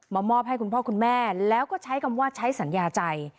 มอบให้คุณพ่อคุณแม่แล้วก็ใช้คำว่าใช้สัญญาใจ